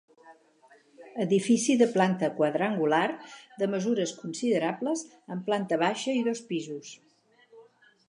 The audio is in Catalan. Edifici de planta quadrangular, de mesures considerables, amb planta baixa i dos pisos.